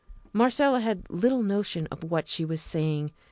Marcella had little notion of what she was saying.